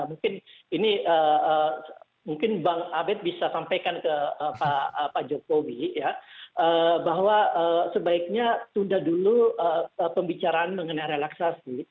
mungkin ini mungkin bang abed bisa sampaikan ke pak jokowi ya bahwa sebaiknya tunda dulu pembicaraan mengenai relaksasi